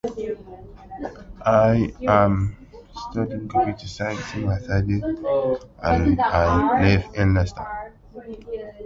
This result is in agreement with previous studies.